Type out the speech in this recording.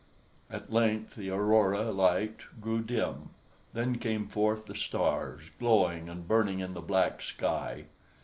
At length the aurora light grew dim. Then came forth the stars, glowing and burning in the black sky.